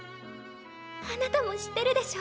あなたも知ってるでしょ？